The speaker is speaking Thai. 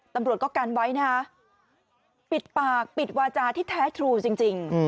ตำรวจก็กันไว้นะฮะปิดปากปิดวาจาที่แท้ทรูจริง